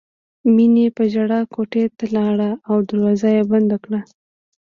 مینې په ژړا کوټې ته لاړه او دروازه یې بنده کړه